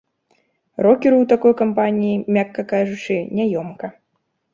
Рокеру ў такой кампаніі, мякка кажучы, няёмка.